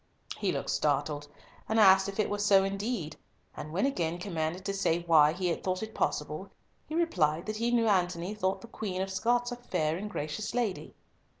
He looked startled, and asked if it were so indeed, and when again commanded to say why he had thought it possible, he replied that he knew Antony thought the Queen of Scots a fair and gracious lady.